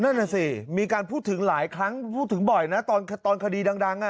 นั่นน่ะสิมีการพูดถึงหลายครั้งพูดถึงบ่อยนะตอนคดีดัง